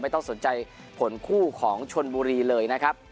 ไม่ต้องสนใจผลคู่ของชนบุรีเลย